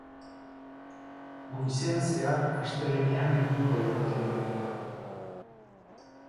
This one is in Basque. Goizean zehar, astelehenean egingo lukete danborrada.